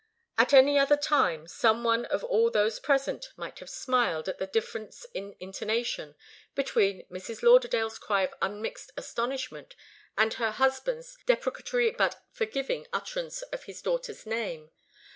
At any other time some one of all those present might have smiled at the difference in intonation between Mrs. Lauderdale's cry of unmixed astonishment, and her husband's deprecatory but forgiving utterance of his daughter's name.